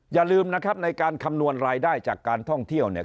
อย่าลืมนะครับในการคำนวณรายได้จากการท่องเที่ยวเนี่ย